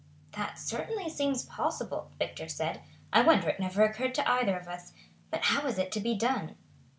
"That certainly seems possible," Victor said. "I wonder it never occurred to either of us. But how is it to be done?"